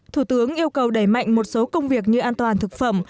thủ tướng yêu cầu đẩy mạnh một số công việc như an toàn thực phẩm